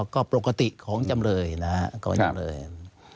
ก็ปกติของจำเลยนะครับ